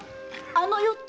「あの夜」って？